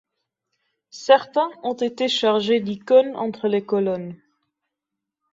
Certains ont été chargés d’icônes entre les colonnes.